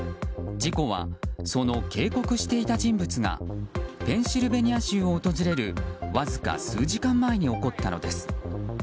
事故はその警告していた人物がペンシルベニア州を訪れるわずか数時間前に起こったのです。